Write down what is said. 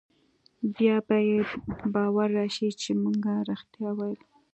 بيا به يې باور رايشي چې مونګه رښتيا ويل.